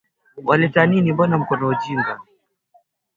Na Kiingereza pia Kiafrikana katika kipindi cha miaka ishirini na tano